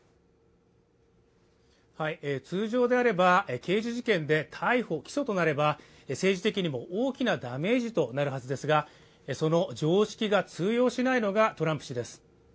通常であれば刑事事件で逮捕起訴となれば政治的にも大きなダメージとなるはずですがその常識が通用しないのがトランプ氏です。